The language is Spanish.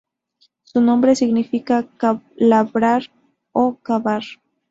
Su nombre significa labrar o cavar.